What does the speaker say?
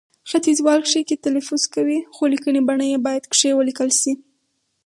ختیځوال کښې، کې تلفظ کوي، خو لیکنې بڼه يې باید کښې ولیکل شي